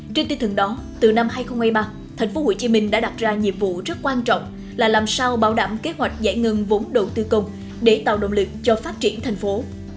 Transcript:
trên tư thường đó từ năm hai nghìn hai mươi ba tp hcm đã đặt ra nhiệm vụ rất quan trọng là làm sao bảo đảm kế hoạch giải ngân vốn đầu tư công để tạo động lực cho phát triển thành phố